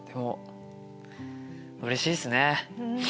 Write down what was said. うれしいっすね。